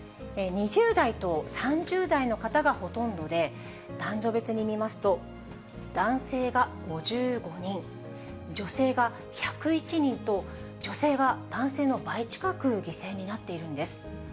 ２０代と３０代の方がほとんどで、男女別に見ますと、男性が５５人、女性が１０１人と、女性が男性の倍近く犠牲になっているんです。